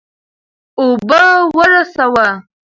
اوبه ورسوه.